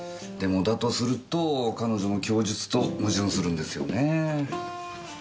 でもだとすると彼女の供述と矛盾するんですよねぇ。